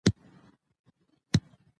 مور ماشومانو ته د ښه چلند عادتونه ښيي